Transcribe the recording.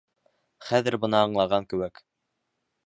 Хәҙер бына аңлаған кеүек.